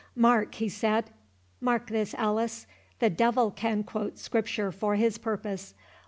"Mark," he said, "mark this, Alice—the devil can quote Scripture for his purpose.